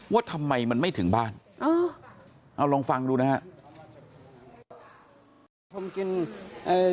ว่าทำไมมันไม่ถึงบ้านเออเอาลองฟังดูนะฮะ